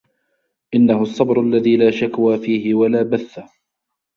إنَّهُ الصَّبْرُ الَّذِي لَا شَكْوَى فِيهِ وَلَا بَثَّ